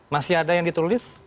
masih ada yang ditulis